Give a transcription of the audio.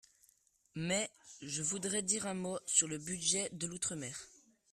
Mais je voudrais dire un mot sur le budget de l’outre-mer.